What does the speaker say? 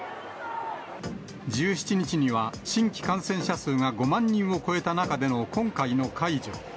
１７日には新規感染者数が５万人を超えた中での今回の解除。